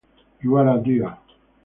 You are a dear.